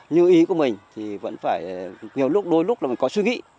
như ý của mình thì vẫn phải nhiều lúc đôi lúc là mình có suy nghĩ